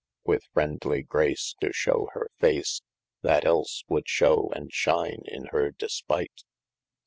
With friendely grace, To shew hir face, That else would shew and shine in hir dispight.